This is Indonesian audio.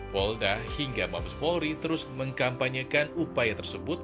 polda hingga mabes polri terus mengkampanyekan upaya tersebut